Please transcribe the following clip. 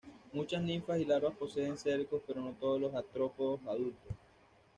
Muchas ninfas y larvas poseen cercos, pero no todos los artrópodos adultos.